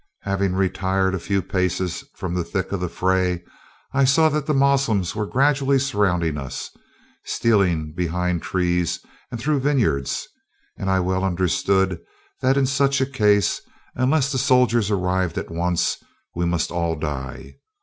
Having retired a few paces from the thick of the fray, I saw that the Moslems were gradually surrounding us, stealing behind trees and through vineyards, and I well understood that in such a case, unless the soldiers arrived at once, we must all die.